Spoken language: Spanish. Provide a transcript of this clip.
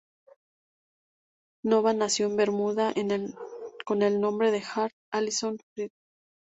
Nova nació en Bermuda con el nombre Heather Alison Frith.